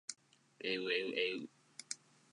えうえうえう